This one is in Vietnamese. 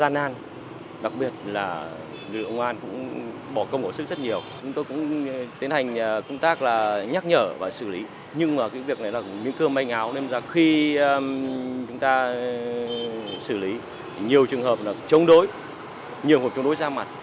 nhiều trường hợp là chống đối nhiều trường hợp chống đối ra mặt